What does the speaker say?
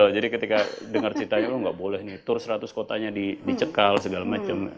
jadi ketika dengar ceritanya lo nggak boleh nih tur seratus kotanya dicekal segala macam